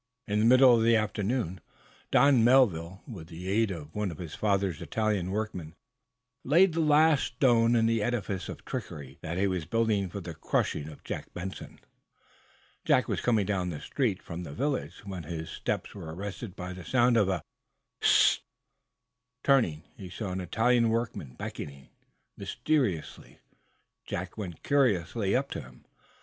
In the middle of the afternoon, Don Melville, with the aid of one of his father's Italian workmen, laid the last stone in the edifice of trickery that he was building for the crushing of Jack Benson. "Jack was coming down the street from the village, when his steps were arrested by the sound of a sharp: "Hist!" Turning, he saw an Italian workman, beckoning mysteriously. Jack went curiously up to him.